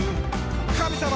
「神様！」